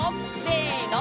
せの！